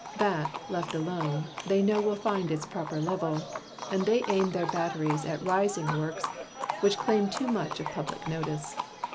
That, left alone, they know Will find its proper level; and they aim Their batteries at rising works which claim Too much of public notice.